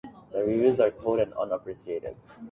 The reviews are cold and unappreciative.